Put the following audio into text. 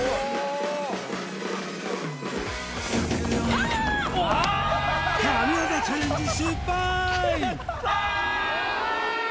しゃ神業チャレンジ失敗！